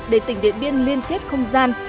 để tỉnh điện biên liên kết không gian